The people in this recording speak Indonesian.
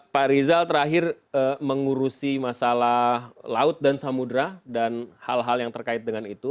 pak rizal terakhir mengurusi masalah laut dan samudera dan hal hal yang terkait dengan itu